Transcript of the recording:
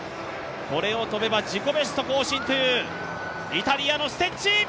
これを跳べば自己ベスト更新というイタリアのステッチ。